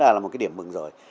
cũng là một cái điểm mừng rồi